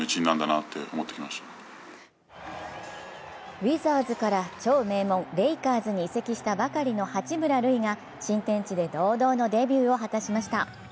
ウィザーズから超名門・レイカーズに移籍したばかりの八村塁が新天地で堂々のデビューを果たしました。